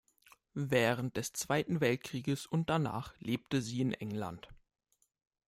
Während des Zweiten Weltkrieges und danach lebte sie in England.